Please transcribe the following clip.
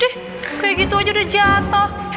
ih kayak gitu aja udah jatuh